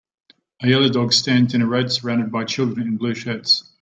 A yellow dog stands in a road surrounded by children in blue shirts.